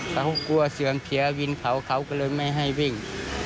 เขากลัวเสือกเขียววินเขาก็เลยไม่ให้วิ่ง